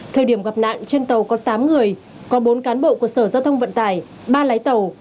thời điểm gặp nạn trên tàu có tám người có bốn cán bộ của sở giao thông vận tải ba lái tàu